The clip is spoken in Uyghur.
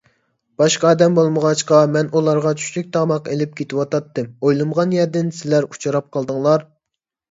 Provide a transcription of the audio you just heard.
باشقا ئادەم بولمىغاچقا، مەن ئۇلارغا چۈشلۈك تاماق ئېلىپ كېتىۋاتاتتىم. ئويلىمىغان يەردىن سىلەر ئۇچراپ قالدىڭلار.